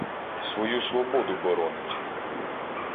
Свою свободу боронить